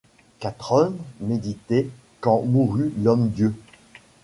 Quatre hommes méditaient quand mourut l'homme-Dieu ;